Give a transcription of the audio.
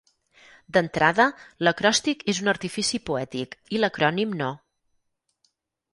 D'entrada, l'acròstic és un artifici poètic i l'acrònim no.